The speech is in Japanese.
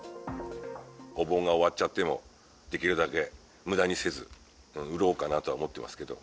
お盆が終わっちゃっても、できるだけ、むだにせず、売ろうかなとは思ってますけど。